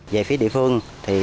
về phía địa phương